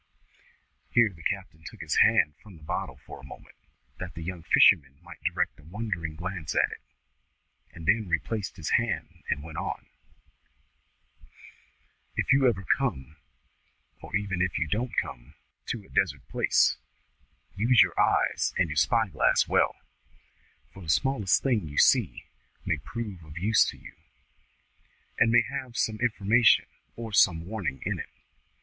Here the captain took his hand from the bottle for a moment, that the young fisherman might direct a wondering glance at it; and then replaced his band and went on: "If ever you come or even if ever you don't come to a desert place, use you your eyes and your spy glass well; for the smallest thing you see may prove of use to you; and may have some information or some warning in it.